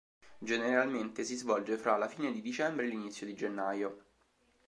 Generalmente si svolge fra la fine di dicembre e l'inizio di gennaio.